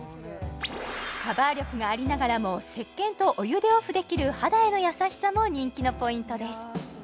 カバー力がありながらも石けんとお湯でオフできる肌へのやさしさも人気のポイントです